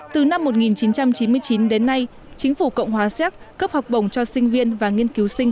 từ năm một nghìn chín trăm chín mươi chín đến nay chính phủ cộng hòa séc cấp học bổng cho sinh viên và nghiên cứu sinh